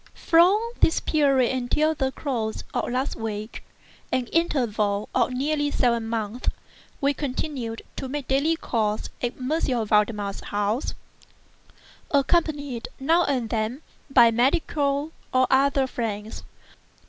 From this period until the close of last week—an interval of nearly seven months—we continued to make daily calls at M. Valdemar's house, accompanied, now and then, by medical and other friends.